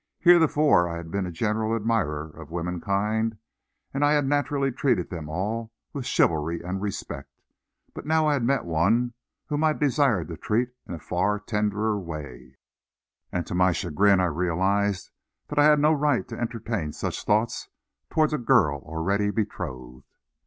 Heretofore I had been a general admirer of womankind, and I had naturally treated them all with chivalry and respect. But now I had met one whom I desired to treat in a far tenderer way, and to my chagrin I realized that I had no right to entertain such thoughts toward a girl already betrothed.